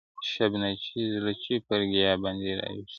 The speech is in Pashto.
شبنچي زړه چي پر گيا باندې راوښويدی,